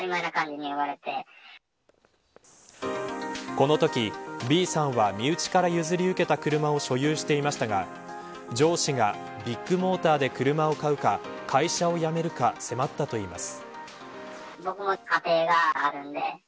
このときＢさんは身内から譲り受けた車を所有していましたが上司がビッグモーターで車を買うか会社を辞めるか迫ったといいます。